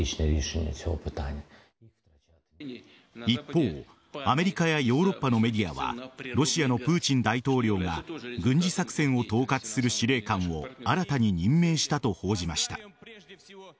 一方、アメリカやヨーロッパのメディアはロシアのプーチン大統領が軍事作戦を統括する司令官を新たに任命したと報じました。